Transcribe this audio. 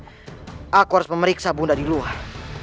aku harus memeriksa bunda di luar